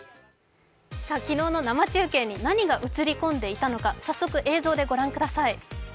昨日の生中継に何が映り込んでいたのか、早速映像をご覧ください。